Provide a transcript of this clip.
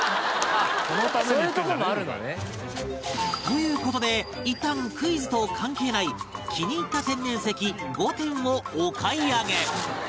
という事でいったんクイズと関係ない気に入った天然石５点をお買い上げ